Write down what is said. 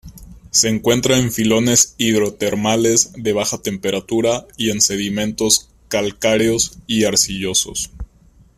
Se encuentra en filones hidrotermales de baja temperatura y en sedimentos calcáreos y arcillosos.